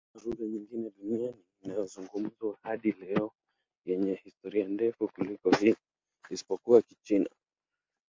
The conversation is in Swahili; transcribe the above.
Hakuna lugha nyingine duniani inayozungumzwa hadi leo yenye historia ndefu kuliko hii, isipokuwa Kichina.